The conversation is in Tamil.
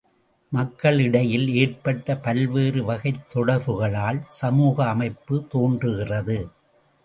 மக்களிடையில் ஏற்பட்ட பல்வேறு வகைத் தொடர்புகளால் சமூக அமைப்பு தோன்றுகிறது.